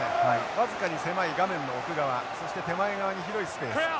僅かに狭い画面の奥側そして手前側に広いスペース。